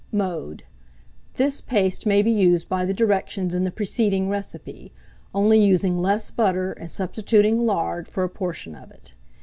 Mode. This paste may be made by the directions in the preceding recipe, only using less butter and substituting lard for a portion of it.